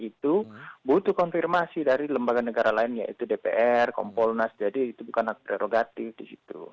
itu butuh konfirmasi dari lembaga negara lain yaitu dpr kompolnas jadi itu bukan hak prerogatif di situ